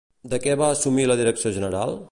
De què va assumir la direcció general?